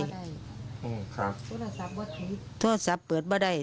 ครับโทรศัพท์เปิดบ้าได้